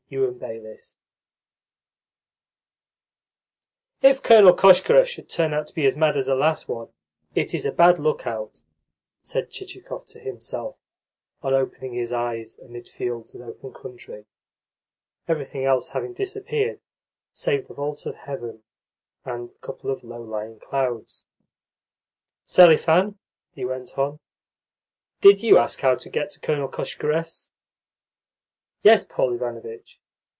] CHAPTER III "If Colonel Koshkarev should turn out to be as mad as the last one it is a bad look out," said Chichikov to himself on opening his eyes amid fields and open country everything else having disappeared save the vault of heaven and a couple of low lying clouds. "Selifan," he went on, "did you ask how to get to Colonel Koshkarev's?" "Yes, Paul Ivanovitch.